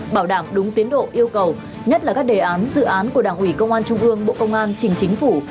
bảo đảm đúng tiến độ yêu cầu nhất là các đề án dự án của đảng ủy công an trung ương bộ công an trình chính phủ